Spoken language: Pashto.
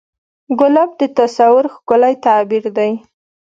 ګلاب د تصور ښکلی تعبیر دی.